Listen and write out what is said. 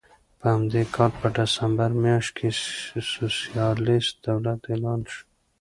په همدې کال په ډسمبر میاشت کې سوسیالېست دولت اعلان شو.